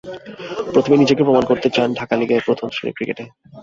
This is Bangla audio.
প্রথমে নিজেকে প্রমাণ করতে চান ঢাকা লিগে, প্রথম শ্রেণির ক্রিকেটে।